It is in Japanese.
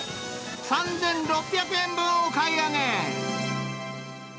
３６００円分お買い上げ。